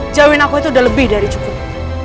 jauhin aku itu udah lebih dari cukup